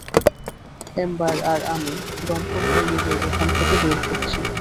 Ember আর আমি দমকলকর্মীদের এখান থেকে বের করছি।